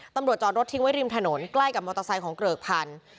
จอดรถทิ้งไว้ริมถนนใกล้กับมอเตอร์ไซค์ของเกริกพันธุ์